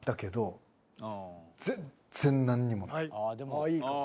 ああいいかも。